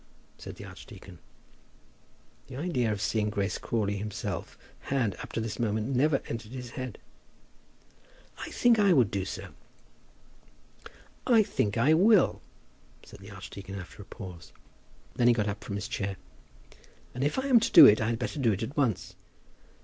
said the archdeacon. The idea of seeing Grace Crawley himself had, up to this moment, never entered his head. "I think I would do so." "I think I will," said the archdeacon, after a pause. Then he got up from his chair. "If I am to do it, I had better do it at once."